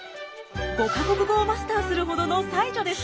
５か国語をマスターするほどの才女でした。